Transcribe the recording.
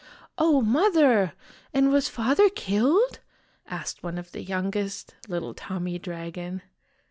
"Oh, Mother ! and was Father killed?" asked one of the youngest little Tommy Dragon.